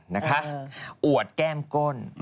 นะคะอวดแก้มก้น